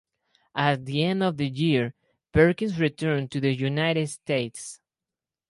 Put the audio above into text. At the end of the year "Perkins" returned to the United States.